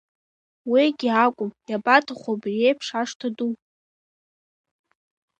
Уигьы акәым, иабаҭаху абри еиԥш ашҭа ду?